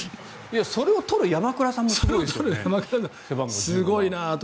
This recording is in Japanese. それを取る山倉さんもすごいですよね。